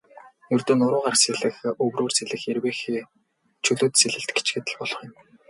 Ердөө нуруугаар сэлэх, өврөөр сэлэх, эрвээхэй, чөлөөт сэлэлт гэчихэд л болох юм.